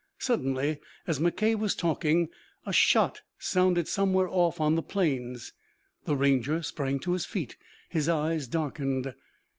Suddenly, as McKay was talking, a shot sounded somewhere off on the plains. The Ranger sprang to his feet, his eyes darkened.